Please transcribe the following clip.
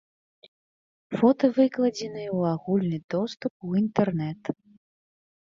Фоты выкладзеныя ў агульны доступ у інтэрнэт.